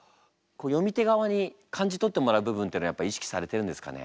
読み手側に感じ取ってもらう部分っていうのはやっぱり意識されてるんですかね。